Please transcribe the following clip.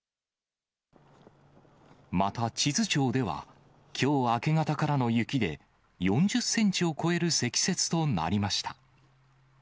また智頭町では、きょう明け方からの雪で、４０センチを超える積雪となりました。